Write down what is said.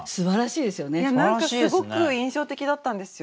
いや何かすごく印象的だったんですよ。